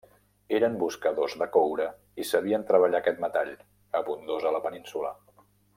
Eren buscadors de coure i sabien treballar aquest metall, abundós a la península.